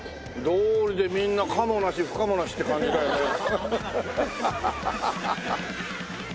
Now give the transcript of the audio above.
どうりでみんな可もなし不可もなしって感じだよね。